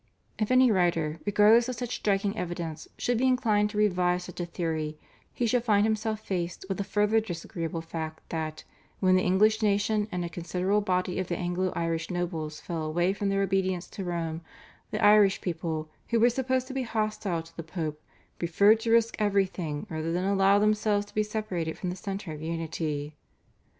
If any writer, regardless of such striking evidence, should be inclined to revive such a theory he should find himself faced with the further disagreeable fact that, when the English nation and a considerable body of the Anglo Irish nobles fell away from their obedience to Rome, the Irish people, who were supposed to be hostile to the Pope, preferred to risk everything rather than allow themselves to be separated from the centre of unity.